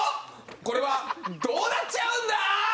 これはどうなっちゃうんだ！？